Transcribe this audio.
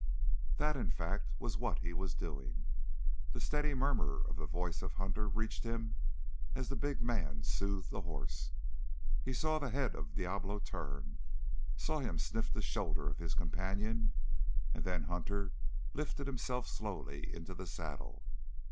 That, in fact, was what he was doing. The steady murmur of the voice of Hunter reached him as the big man soothed the horse. He saw the head of Diablo turn, saw him sniff the shoulder of his companion, and then Hunter lifted himself slowly into the saddle.